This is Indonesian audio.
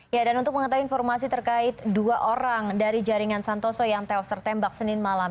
ya dan untuk mengetahui informasi terkait dua orang dari jaringan santoso yang tewas tertembak senin malam